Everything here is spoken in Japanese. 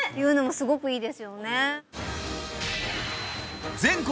すごくいいですよね